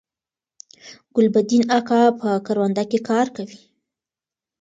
ګلبدین اکا په کرونده کی کار کوي